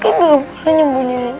kan belum pernah nyembunyiin